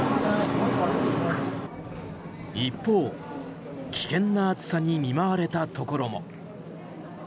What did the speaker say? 一方、危険な暑さに見舞われたところも。